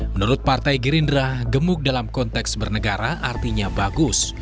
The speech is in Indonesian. menurut partai gerindra gemuk dalam konteks bernegara artinya bagus